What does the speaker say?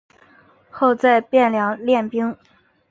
后在汴梁练兵。